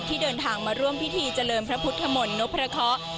ที่เดินทางมาร่วมพิธีเจริญพระพุทธมนต์นพพระเคาะ